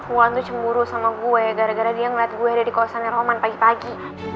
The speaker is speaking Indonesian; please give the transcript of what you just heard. wulan tuh cemburu sama gue gara gara dia ngeliat gue ada di kosan roman pagi pagi